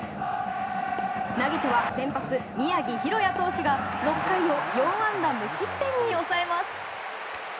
投げては先発、宮城大弥投手が６回を４安打無失点に抑えます。